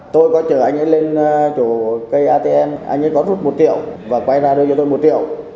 tôi có chở anh ấy lên chỗ cây atm anh ấy có rút một triệu và quay ra đưa cho tôi một triệu